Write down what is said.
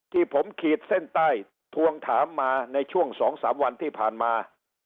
ที่ผมขีดเส้นใต้ทวงถามมาในช่วง๒๓วันที่ผ่านมา